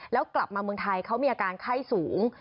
แล้วกลับมาเมืองไทยเขามีอาการไข้สูง